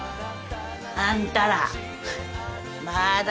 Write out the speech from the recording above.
あんたらまーだ